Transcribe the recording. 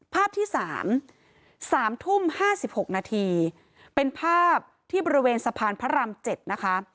ภาพที่๓๓ทุ่ม๕๖นาทีเป็นภาพที่บริเวณสะพานพระราม๗นะคะ